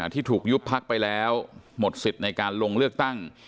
ที่ถูกยุบพักไปแล้วหมดสิทธิ์ในการลงเลือกตั้ง